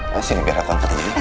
masih biar aku angkatin ini